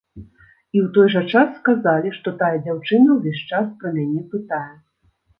І ў той жа час сказалі, што тая дзяўчына ўвесь час пра мяне пытае.